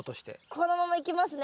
このままいきますね。